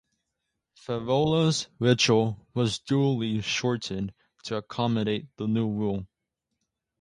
Fevola's ritual was duly shortened to accommodate the new rule.